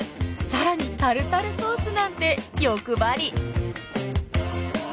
さらにタルタルソースなんて欲張り！